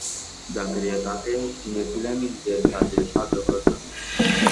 জাকারিয়া তাকে কিনেছিলেন নিজের কাজে সাহায্য করার জন্যে।